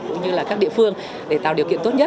cũng như là các địa phương để tạo điều kiện tốt nhất